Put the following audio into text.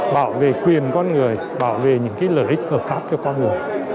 bảo vệ quyền con người bảo vệ những lợi ích hợp pháp cho con người